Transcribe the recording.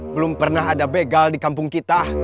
belum pernah ada begal di kampung kita